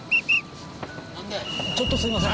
ちょっとすいません。